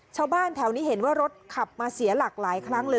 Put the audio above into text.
ชาวบ้านแถวนี้เห็นว่ารถขับมาเสียหลักหลายครั้งเลย